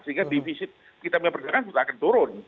sehingga divisi kita punya perusahaan sudah akan turun